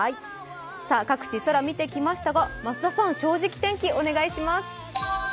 各地、空見てきましたが、増田さん「正直天気」お願いします。